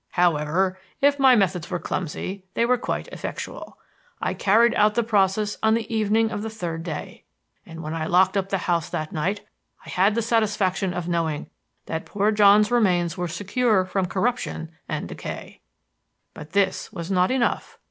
However, if my methods were clumsy, they were quite effectual. I carried out the process on the evening of the third day; and when I locked up the house that night, I had the satisfaction of knowing that poor John's remains were secure from corruption and decay. "But this was not enough.